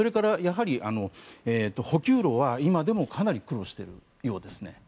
補給路は今でもかなり苦労しているようです。